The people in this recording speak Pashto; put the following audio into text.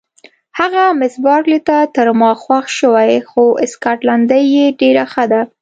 هغه مس بارکلي ته تر ما خوښ شوې، خو سکاټلنډۍ یې ډېره ښه ده.